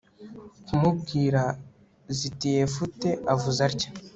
kumubwira ziti yefute avuze atya